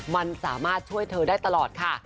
มันสามารถช่วยเธอได้ตลอดค่ะ